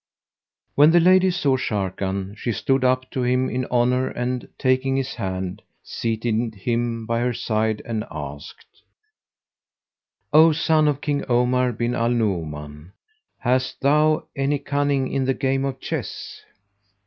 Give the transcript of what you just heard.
When the lady saw Sharrkan, she stood up to him in honour and, taking his hand, seated him by her side and asked, "O son of King Omar bin al Nu'uman, hast thou any cunning in the game of chess?"